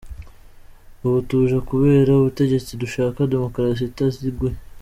"Ubu tuje kubera ubutegetsi - Dushaka demokrasi itaziguye.